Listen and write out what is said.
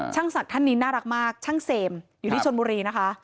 ศักดิ์ท่านนี้น่ารักมากช่างเซมอยู่ที่ชนบุรีนะคะ